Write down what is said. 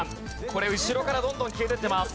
これ後ろからどんどん消えていってます。